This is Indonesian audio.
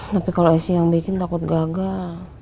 tapi kalau istri yang bikin takut gagal